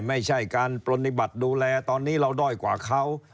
ไม่ใช่การปฏิบัติดูแลตอนนี้เราด้อยกว่าเขา